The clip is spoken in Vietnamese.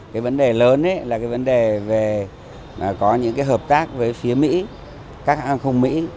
cái vấn đề lớn ấy là cái vấn đề về có những cái hợp tác với phía mỹ các an không mỹ